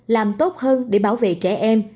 làm tốt hơn để bảo vệ trẻ em